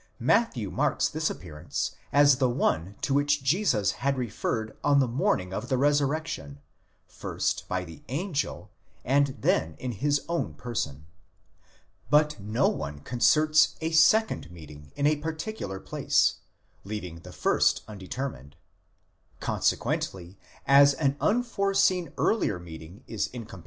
Matthew marks this appearance as the one to which Jesus had referred on the morning of the resurrection, first by the angel, and then in his own person; but no one con certs a second meeting in a particular place, leaving the first undetermined: consequently, as an unforeseen earlier meeting is incompatible with the evan 16.